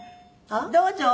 どうぞ。